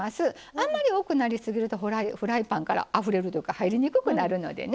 あんまり多くなりすぎるとフライパンからあふれるというか入りにくくなるのでね